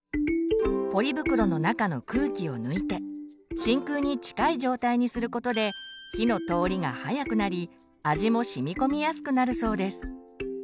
ポリ袋の中の空気を抜いて真空に近い状態にすることで味もしみ込みやすくなるそうです。